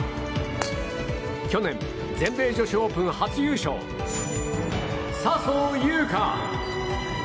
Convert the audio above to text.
去年、全米女子オープン初優勝笹生優花。